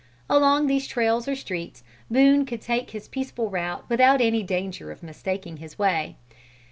Along these trails or streets, Boone could take his peaceful route without any danger of mistaking his way.